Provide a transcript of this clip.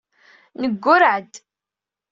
Neggurreɛ-d.